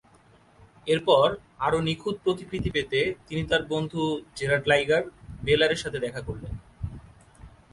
এরপর আরো নিখুঁত প্রতিকৃতি পেতে তিনি তার বন্ধু জেরার্ড লাইগার-বেলেয়ারের সাথে দেখা করলেন।